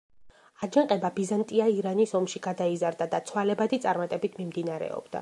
აჯანყება ბიზანტია-ირანის ომში გადაიზარდა და ცვალებადი წარმატებით მიმდინარეობდა.